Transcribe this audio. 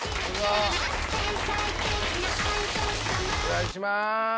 お願いします！